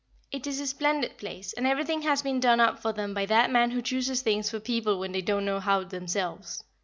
It is a splendid place, and everything has been done up for them by that man who chooses things for people when they don't know how themselves.